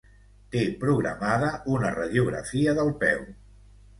Té programada una radiografia del peu.